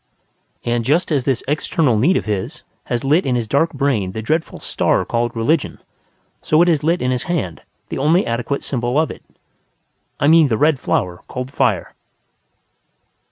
And just as this external need of his has lit in his dark brain the dreadful star called religion, so it has lit in his hand the only adequate symbol of it: I mean the red flower called Fire.